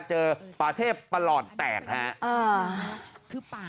เจอปาเทพประหลอดแตกฮะ